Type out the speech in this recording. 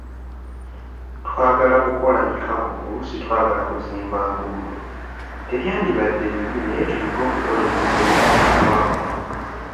Twagala kukola mikago oluusi twagala kuzimba nguudo, tebyandibadde bibi naye tuyige okukola ebintu ebisookerwako.